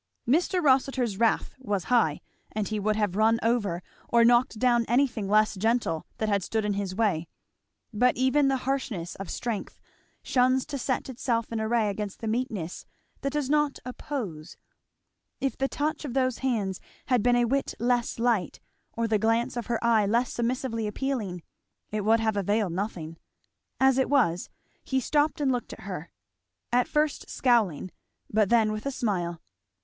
Mr. Rossitur's wrath was high, and he would have run over or knocked down anything less gentle that had stood in his way; but even the harshness of strength shuns to set itself in array against the meekness that does not oppose; if the touch of those hands had been a whit less light, or the glance of her eye less submissively appealing, it would have availed nothing. As it was, he stopped and looked at her, at first scowling, but then with a smile.